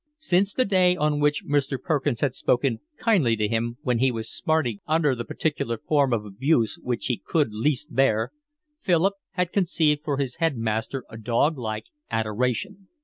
Since the day on which Mr. Perkins had spoken kindly to him, when he was smarting under the particular form of abuse which he could least bear, Philip had conceived for his headmaster a dog like adoration.